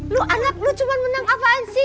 lu anak lu cuma menang apaan sih